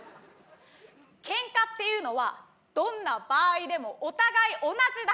けんかっていうのはどんな場合でもお互い同じだけ悪いよ。